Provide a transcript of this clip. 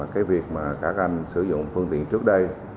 cái việc mà các anh sử dụng phương tiện trước đây